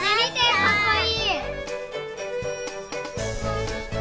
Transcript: かっこいい！